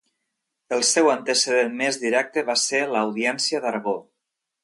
El seu antecedent més directe va ser l'Audiència d'Aragó.